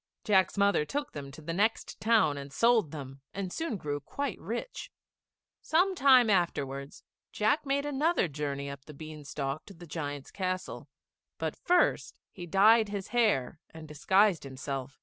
Jack's mother took them to the next town and sold them, and soon grew quite rich. Some time afterwards Jack made another journey up the bean stalk to the giant's castle; but first he dyed his hair and disguised himself.